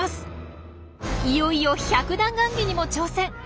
いよいよ百段ガンギにも挑戦。